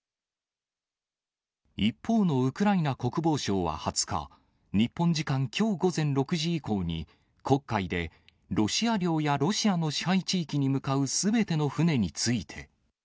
一方のウクライナ国防省は２０日、日本時間きょう午前６時以降に、黒海でロシア領やロシアの支配地域に向かうすべての船について。